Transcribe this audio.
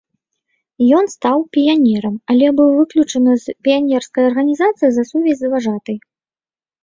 Ён стаў піянерам, але быў выключаны з піянерскай арганізацыі за сувязь з важатай.